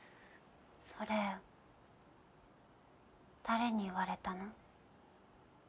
それ誰に言われたの？